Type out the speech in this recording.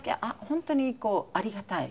本当にありがたい。